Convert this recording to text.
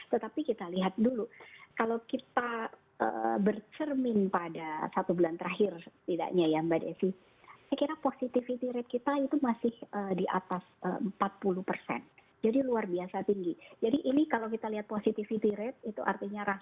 tetaplah bersama insight with desi akbar